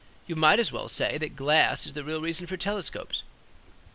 You might as well say that glass is the real reason for telescopes.